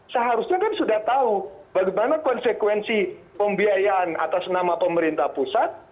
seharusnya kan sudah tahu bagaimana konsekuensi pembiayaan atas nama pemerintah pusat